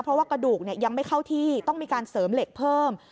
เพราะว่ากระดูกยังไม่เข้าที่ต้องมีการเสริมเหล็กเพิ่ม